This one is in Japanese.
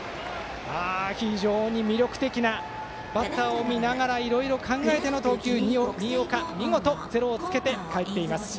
非常に魅力的なバッターを見ながらいろいろ考えての投球新岡、見事ゼロをつけて帰っています。